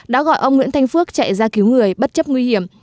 đã gọi ông nguyễn thanh phước chạy ra cứu người bất chấp nguy hiểm